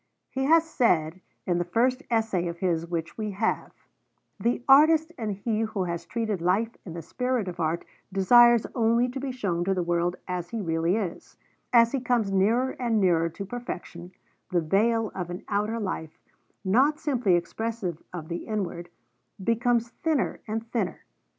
He has said, in the first essay of his which we have: The artist and he who has treated life in the spirit of art desires only to be shown to the world as he really is; as he comes nearer and nearer to perfection, the veil of an outer life, not simply expressive of the inward, becomes thinner and thinner.